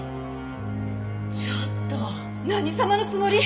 ちょっと何様のつもり！？